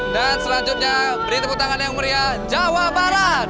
dan selanjutnya beri tepuk tangan yang meriah jawa barat